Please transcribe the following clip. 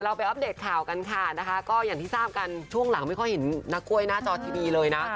ไปอัปเดตข่าวกันค่ะนะคะก็อย่างที่ทราบกันช่วงหลังไม่ค่อยเห็นนักกล้วยหน้าจอทีวีเลยนะ